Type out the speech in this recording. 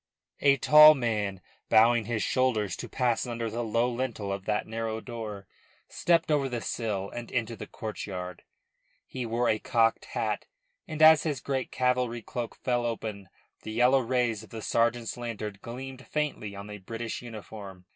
A tall man, bowing his shoulders to pass under the low lintel of that narrow door, stepped over the sill and into the courtyard. He wore a cocked hat, and as his great cavalry cloak fell open the yellow rays of the sergeant's lantern gleamed faintly on a British uniform.